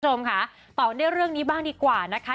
คุณผู้ชมค่ะต่อกันด้วยเรื่องนี้บ้างดีกว่านะคะ